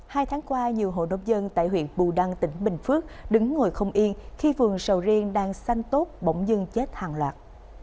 hai tháng qua nhiều hộ nông dân tại huyện bù đăng tỉnh bình phước đứng ngồi không yên khi vườn sầu riêng đang xanh tốt bỗng dưng chết hàng loạt